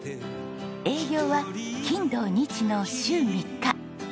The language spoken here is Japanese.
営業は金土日の週３日。